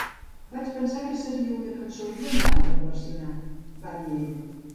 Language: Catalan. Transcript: "Vaig pensar que seria una cançó genial per versionar", va dir ell.